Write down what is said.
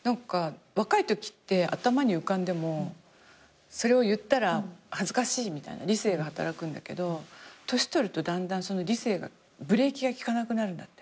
若いときって頭に浮かんでもそれを言ったら恥ずかしいみたいな理性が働くんだけど年取るとだんだんその理性がブレーキが利かなくなるんだって。